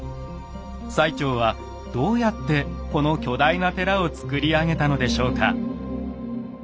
最澄はどうやってこの巨大な寺をつくり上げたのでしょうか？